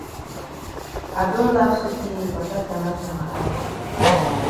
I don laf sotay wata tanap for ma eye.